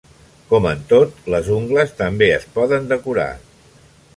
Com en tot, les ungles també es poden decorar.